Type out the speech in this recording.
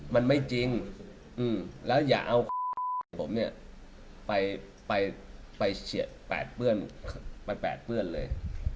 มันไม่จริงแล้วอย่าเอาของผมเนี่ยไปแปดเปื้อนเลย